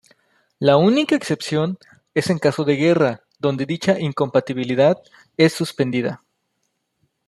La única excepción es en caso de guerra donde dicha incompatibilidad es suspendida.